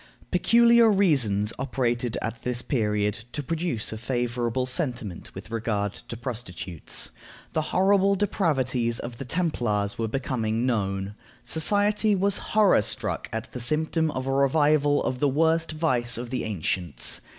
Peculiar reasons operated at this period to produce a favorable sentiment with regard to prostitutes. The horrible depravities of the Templars were becoming known. Society was horror struck at the symptom of a revival of the worst vice of the ancients.